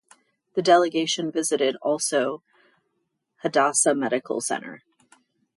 The delegation visited also Hadassah Medical Center.